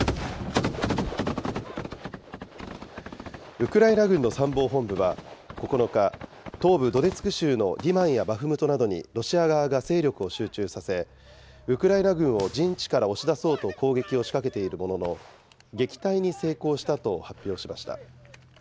ウクライナ軍の参謀本部は９日、東部ドネツク州のリマンやバフムトなどにロシア側が勢力を集中させ、ウクライナ軍を陣地から押し出そうと攻撃を仕掛けているものの、撃退に成功したと発表しました。